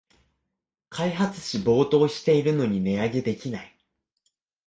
開発費暴騰してるのに値上げできない